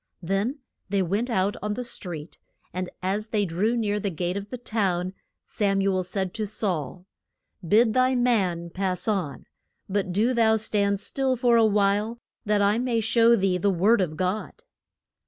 Then they went out on the street, and as they drew near the gate of the town, Sam u el said to Saul, Bid thy man pass on, but do thou stand still for a while, that I may show thee the word of God.